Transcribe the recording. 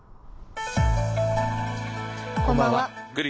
こんばんは。